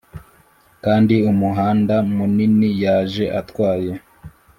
kandi umuhanda munini yaje atwaye -